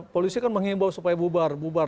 polisi kan mengimbau supaya bubar bubar